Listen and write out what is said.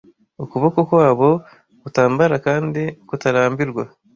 Ukuboko kwabo kutambara kandi kutarambirwa